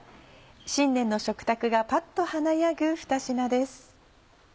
新年の食卓がパッと華やぐふた品です。